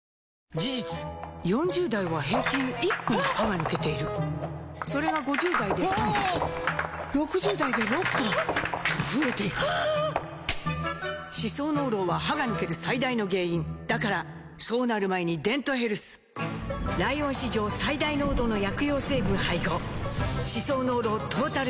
事実４０代は平均１本歯が抜けているそれが５０代で３本６０代で６本と増えていく歯槽膿漏は歯が抜ける最大の原因だからそうなる前に「デントヘルス」ライオン史上最大濃度の薬用成分配合歯槽膿漏トータルケア！